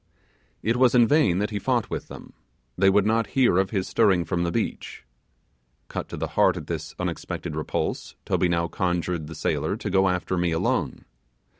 It was in vain that he fought with them; they would not hear of his stirring from the beach. Cut to the heart at this unexpected repulse, Toby now conjured the sailor to go after me alone.